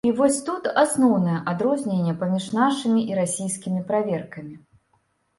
І вось тут асноўнае адрозненне паміж нашымі і расійскімі праверкамі.